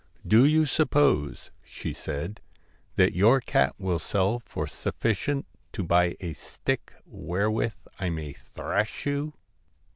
' Do you suppose,' she said, 'that your cat will sell for sufficient to buy a stick wherewith I may thrash you?'